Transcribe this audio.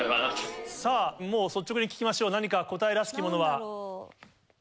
もう率直に聞きましょう何か答えらしきものは？